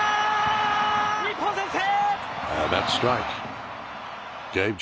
日本、先制。